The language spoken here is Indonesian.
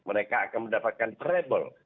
mereka akan mendapatkan treble